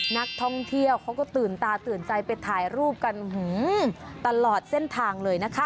นักท่องเที่ยวเขาก็ตื่นตาตื่นใจไปถ่ายรูปกันตลอดเส้นทางเลยนะคะ